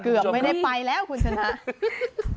เกือบไม่ได้ไปแล้วคุณชนะ